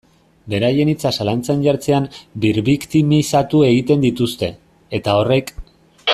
Beraien hitza zalantzan jartzean birbiktimizatu egiten dituzte, eta horrek.